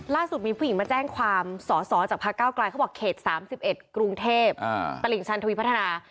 ล่าสุดมีผู้หญิงมาแจ้งความสอสอจากพระเก้าไกลเขาบอกเขต๓๑กรุงเทพตลิ่งชันทวีพัฒนา